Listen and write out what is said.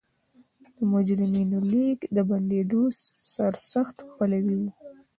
د مجرمینو لېږد د بندېدو سرسخت پلوی و.